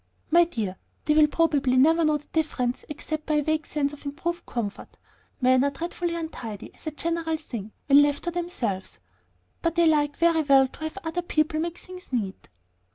"My dear, they will probably never know the difference except by a vague sense of improved comfort. Men are dreadfully untidy, as a general thing, when left to themselves; but they like very well to have other people make things neat."